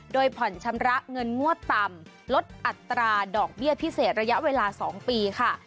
โดยผ่อนชำระเงินงวดต่ำลดอัตราดอกเบี้ยพิเศษระยะเวลา๒ปีค่ะ